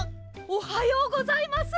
おはようございます！